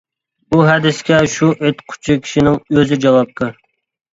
بۇ ھەدىسكە شۇ ئېيتقۇچى كىشىنىڭ ئۆزى جاۋابكار.